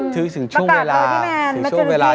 ถึงช่วงเวลา